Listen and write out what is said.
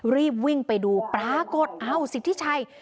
รีบวิ่งไปดูปรากฏอ้าวสิทธิชัย